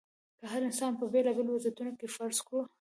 که هر انسان په بېلابېلو وضعیتونو کې فرض کړو.